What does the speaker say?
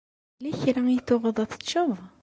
Yella kra i d-tuɣeḍ ad t-teččeḍ?